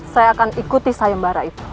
saya akan ikuti sayembara itu